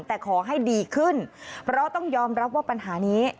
แต่ขอให้ดีขึ้นเพราะต้องยอมรับว่าปัญหานี้